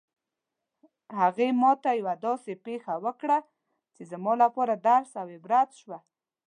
هغې ما ته یوه داسې پېښه وکړه چې زما لپاره درس او عبرت شوه